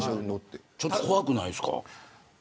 ちょっと怖くないですか。